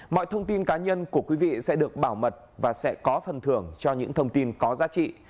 mọi thông tin cá nhân của quý vị sẽ được bảo mật và sẽ có phần thưởng cho những thông tin có giá trị